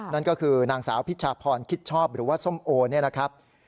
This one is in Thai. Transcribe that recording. นั่นก็คือนางสาวพิชาพรคิดชอบหรือว่าส้มโอเนี่ยนะครับ